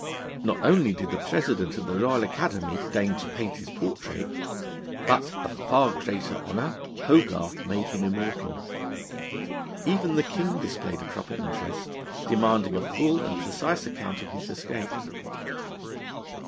Not only did the President of the Royal Academy deign to paint his portrait, but (a far greater honour) Hogarth made him immortal. Even the King displayed a proper interest, demanding a full and precise account of his escapes.